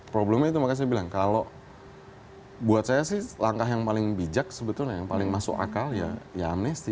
problemnya itu makanya saya bilang kalau buat saya sih langkah yang paling bijak sebetulnya yang paling masuk akal ya amnesti